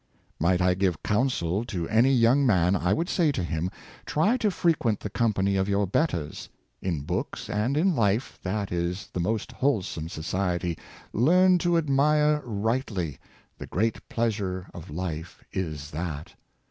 " Might I give counsel to any young man, I would say to him, try to frequent the company of your betters. In books and in life, that is the most wholesome society; learn to admire rightly; the great pleasure of life is that.